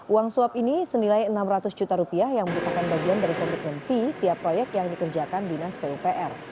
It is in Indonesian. uang suap ini senilai enam ratus juta rupiah yang merupakan bagian dari komitmen fee tiap proyek yang dikerjakan dinas pupr